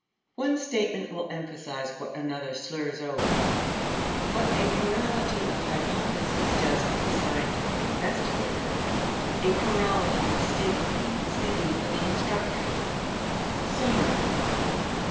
One statement will emphasize what another slurs over. What a plurality of hypotheses does for the scientific investigator, a plurality of stated aims may do for the instructor. Summary.